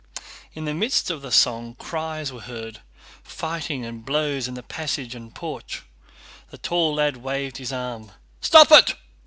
In the midst of the song cries were heard, and fighting and blows in the passage and porch. The tall lad waved his arm. "Stop it!"